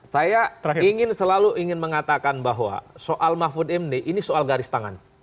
saya selalu ingin mengatakan bahwa soal mahfud md ini soal garis tangan